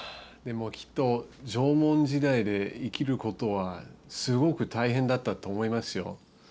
でもきっと縄文時代で生きることはすごく大変だったと思いますよ。